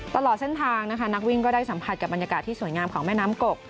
ตลอดเส้นทางนะคะนักวิ่งก็ได้สัมผัสกับบรรยากาศที่สวยงามของแม่น้ำกก